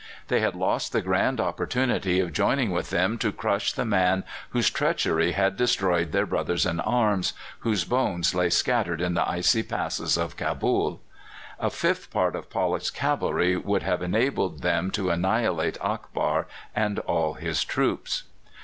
They had lost the grand opportunity of joining with them to crush the man whose treachery had destroyed their brothers in arms, whose bones lay scattered in the icy passes of Cabul. A fifth part of Pollock's cavalry would have enabled them to annihilate Akbar and all his troops.